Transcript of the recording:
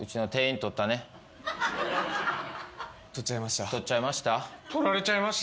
取られちゃいました。